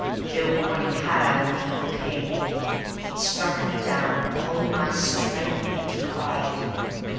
No warning had I when the evil came: It struck me down in all my strength and pride.